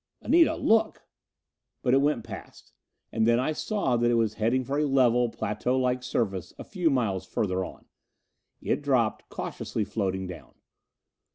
"Anita, look." But it went past. And then I saw that it was heading for a level, plateau like surface a few miles further on. It dropped, cautiously floating down.